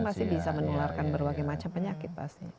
pasti bisa menularkan berbagai macam penyakit